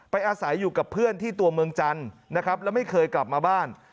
อาศัยอยู่กับเพื่อนที่ตัวเมืองจันทร์นะครับแล้วไม่เคยกลับมาบ้าน